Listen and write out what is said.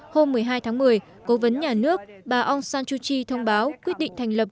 hôm một mươi hai tháng một mươi cố vấn nhà nước bà aung sanchuchi thông báo quyết định thành lập